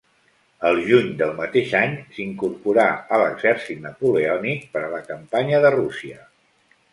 El juny del mateix any, s'incorporà a l'exèrcit napoleònic per a la campanya de Rússia.